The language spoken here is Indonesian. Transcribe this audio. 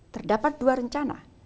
terdapat dua rencana